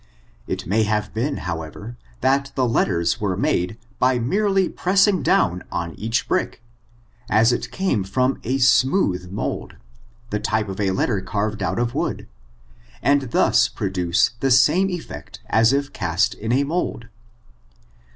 It may have been, however, that the letters were made by merely pressing down on each brick, as it came from a smooth moid, the type of a letter carved out of wood, and thus produce the same effect as if cast in a mold.